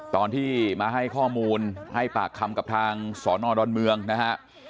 ตอนที่มาให้ข้อมูลให้ปากคำกับทางสอนอดอนเมืองนะฮะ